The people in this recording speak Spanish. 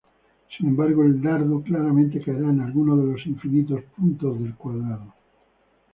Sin embargo, el dardo claramente caerá en alguno de los infinitos puntos del cuadrado.